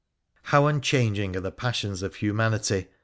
How unchanging are the passions of humanity